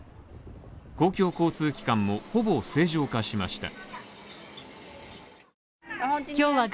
公共交通機関もほぼ正常化しました。